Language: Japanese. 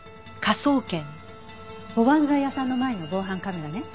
おばんざい屋さんの前の防犯カメラね。